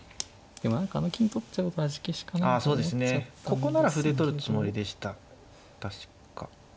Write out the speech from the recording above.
ここなら歩で取るつもりでした確か。